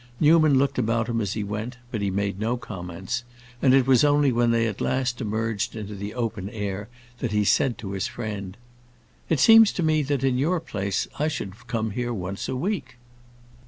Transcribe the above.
Newman looked about him as he went, but he made no comments, and it was only when they at last emerged into the open air that he said to his friend, "It seems to me that in your place I should have come here once a week."